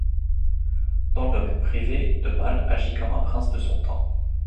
Dans le domaine privé, de Male agit comme un prince de son temps.